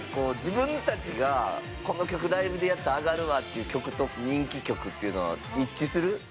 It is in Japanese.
自分たちがこの曲ライブでやったら上がるわっていう曲と人気曲っていうのは一致する？